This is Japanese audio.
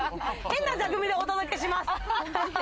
変な座組でお届けします。